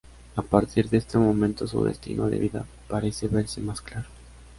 A partir de este momento su destino de vida parece verse más claro.